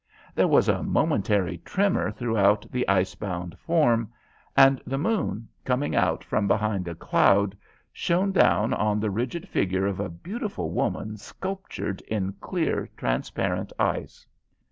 There was a momentary tremor throughout the ice bound form, and the moon, coming out from behind a cloud, shone down on the rigid figure of a beautiful woman sculptured in clear, transparent ice.